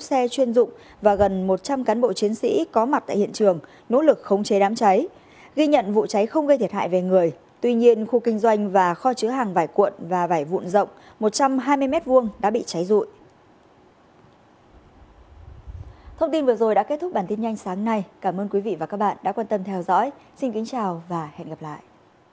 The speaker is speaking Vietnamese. xin kính chào và hẹn gặp lại